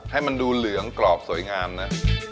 ให้มันดูเหลืองกรอบสวยงามนะ